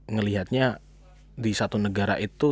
ngelihatnya di satu negara itu